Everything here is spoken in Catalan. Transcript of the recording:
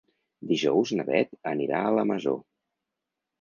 Dijous na Beth anirà a la Masó.